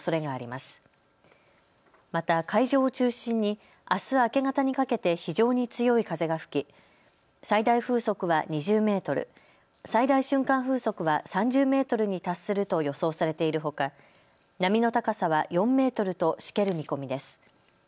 また海上を中心にあす明け方にかけて非常に強い風が吹き、最大風速は２０メートル、最大瞬間風速は３０メートルに達すると予想されているほか波の高さは４メートルとしける見込みです。